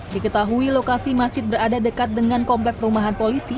diketahui lokasi masjid berada dekat dengan komplek perumahan polisi